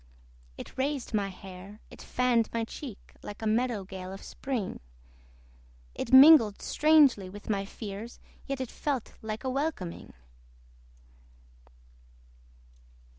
It raised my hair, it fanned my cheek Like a meadow gale of spring It mingled strangely with my fears, Yet it felt like a welcoming.